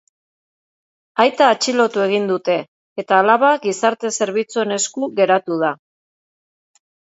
Aita atxilotu egin dute eta alaba gizarte zerbitzuen esku geratu da.